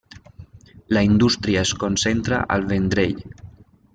La indústria es concentra al Vendrell.